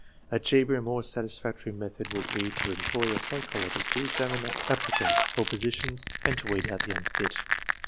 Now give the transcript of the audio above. A cheaper and more satisfactory method would be to em ploy a psychologist to examine applicants for positions and to weed out the unfit.